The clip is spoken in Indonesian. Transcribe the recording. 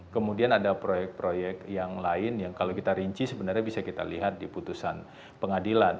kemudian ada proyek proyek yang lain yang kalau kita rinci sebenarnya bisa kita lihat di putusan pengadilan